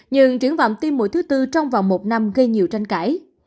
nhưng triển vọng tiêm mũi thứ tư trong vòng một năm gây nhiều tranh cãi